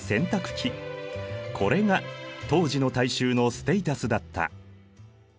これが当時の大衆のステータスだった。